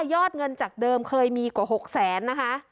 ยอดเงินจากเดิมเคยมีกว่า๖แสนนะคะ